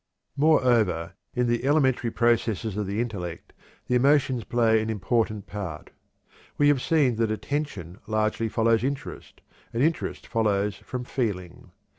Moreover, in the elementary processes of the intellect the emotions play an important part. We have seen that attention largely follows interest, and interest results from feeling.